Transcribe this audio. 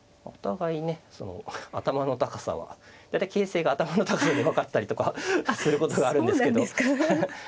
お互いね頭の高さは大体形勢が頭の高さで分かったりとかすることがあるんですけど。